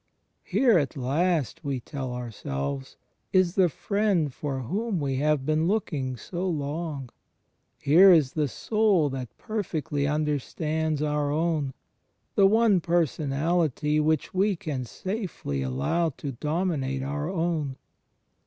Here, at last, we tell ourselves, is the Friend for whom we have been looking so long: here is the Soul that perfectly imderstands our own; the one Personality which we can safely allow to dominate our own.